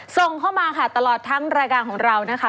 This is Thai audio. ส่งเข้ามาค่ะตลอดทั้งรายการของเรานะคะ